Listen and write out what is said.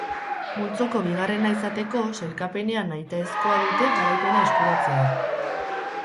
Multzoko bigarrena izateko sailkapenean nahitaezkoa dute garaipena eskuratzea.